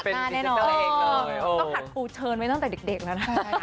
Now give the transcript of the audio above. ต้องหัดปูเชิญไว้ตั้งแต่เด็กน่ะนะ